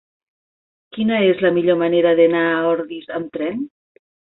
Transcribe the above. Quina és la millor manera d'anar a Ordis amb tren?